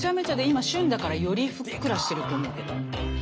今旬だからよりふっくらしてると思うけど。